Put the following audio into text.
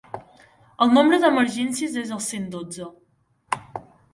El nombre d'emergències és el cent dotze.